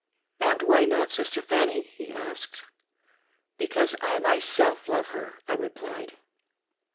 "And why not. Sister Fanny?'* he asked. !" Because I myself love her," I replied.